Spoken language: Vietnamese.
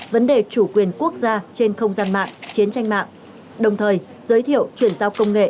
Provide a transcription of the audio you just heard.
vấn đề chủ quyền quốc gia trên không gian mạng chiến tranh mạng đồng thời giới thiệu chuyển giao công nghệ